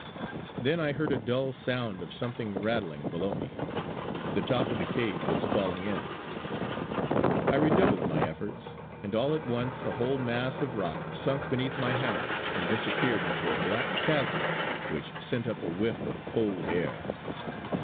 Then I heard a dull sound of something rattling below me; the top of the cave was falling in. I redoubled my efforts; and all at once a whole mass of rock sunk beneath my hammer and disappeared into a black chasm which sent up a whiff of cold air.